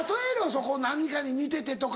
そこ何かに似ててとか。